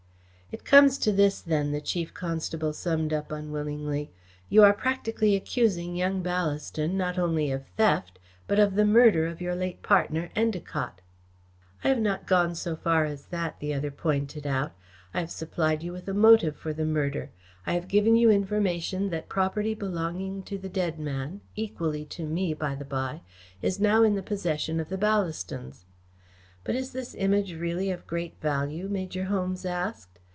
"It comes to this then," the Chief Constable summed up unwillingly. "You are practically accusing young Ballaston not only of theft but of the murder of your late partner, Endacott." "I have not gone so far as that," the other pointed out. "I have supplied you with a motive for the murder. I have given you information that property belonging to the dead man equally to me, by the by is now in the possession of the Ballastons." "But is this Image really of great value?" Major Holmes asked.